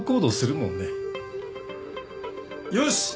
よし。